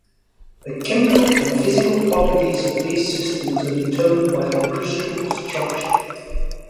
The chemical and physical properties of these systems are determined by their crystal structure.